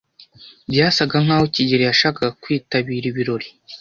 Byasaga nkaho kigeli yashakaga kwitabira ibirori.